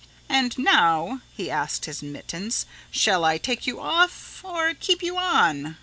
"And now," he asked his mittens, "shall I take you off or keep you on?